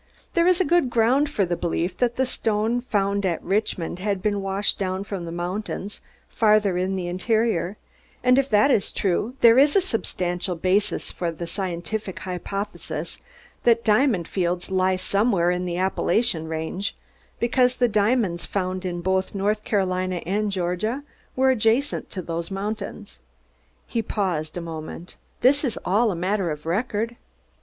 "There is good ground for the belief that the stone found at Richmond had been washed down from the mountains farther in the interior, and, if this is true, there is a substantial basis for the scientific hypothesis that diamond fields lie somewhere in the Appalachian Range, because the diamonds found in both North Carolina and Georgia were adjacent to these mountains." He paused a moment. "This is all a matter of record."